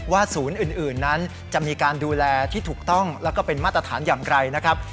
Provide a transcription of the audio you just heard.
ศูนย์อื่นนั้นจะมีการดูแลที่ถูกต้องแล้วก็เป็นมาตรฐานอย่างไรนะครับ